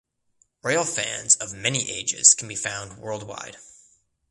Railfans of many ages can be found worldwide.